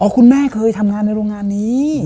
คุณแม่เคยทำงานในโรงงานนี้